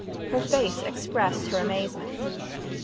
Her face expressed her amazement.